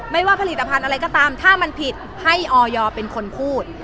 ว่าผลิตภัณฑ์อะไรก็ตามถ้ามันผิดให้ออยเป็นคนพูด